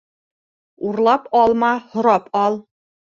Урлап алма, һорап ал.